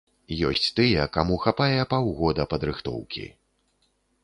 Ёсць тыя, каму хапае паўгода падрыхтоўкі.